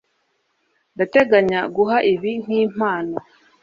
Ndateganya guha ibi nkimpano.